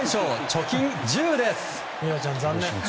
貯金１０です。